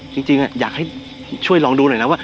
จริงอยากให้ช่วยลองดูหน่อยนะว่า